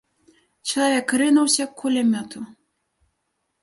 Чалавек рынуўся к кулямёту.